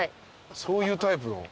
そういうタイプの。